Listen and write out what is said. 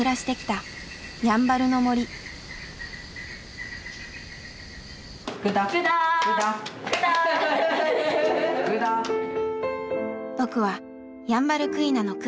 僕はヤンバルクイナのクー太。